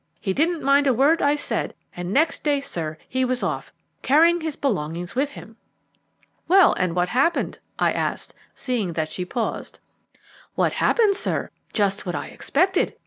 He didn't mind a word I said, and the next day, sir, he was off, carrying his belongings with him." "Well, and what happened?" I asked, seeing that she paused. "What happened, sir? Just what I expected.